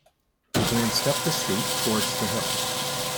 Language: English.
He glanced up the street towards the hill.